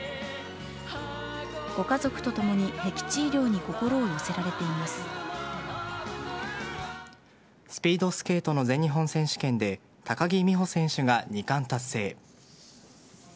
ご家族ともにへき地医療にスピードスケートの全日本選手権で高木美帆選手が２冠達成。